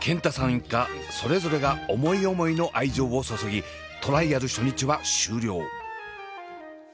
一家それぞれが思い思いの愛情を注ぎトライアル初日は終了。